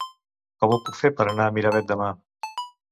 Com ho puc fer per anar a Miravet demà?